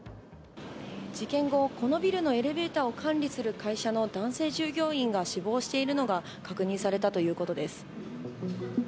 事件後、このビルのエレベーターを管理する会社の男性従業員が死亡しているのが確認されたということです。